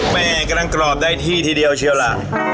แม่กำลังกรอบได้ที่ทีเดียวเชียวล่ะ